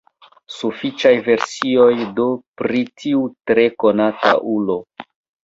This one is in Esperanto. Sufiĉaj versioj do pri tiu tre konata ulo.